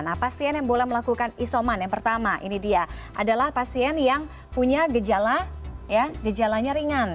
nah pasien yang boleh melakukan isoman yang pertama ini dia adalah pasien yang punya gejalanya ringan